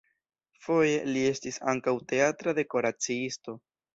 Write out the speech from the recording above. Foje li estis ankaŭ teatra dekoraciisto.